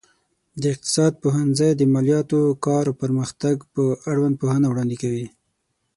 د اقتصاد پوهنځی د مالياتو، کار او پرمختګ په اړوند پوهنه وړاندې کوي.